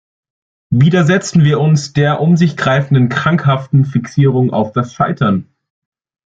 Widersetzen wir uns der um sich greifenden krankhaften Fixierung auf das Scheitern!